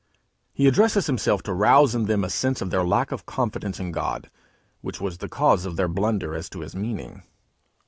He addresses himself to rouse in them a sense of their lack of confidence in God, which was the cause of their blunder as to his meaning.